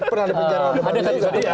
pernah di penjara